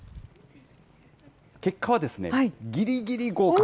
結果は、ぎりぎり合格。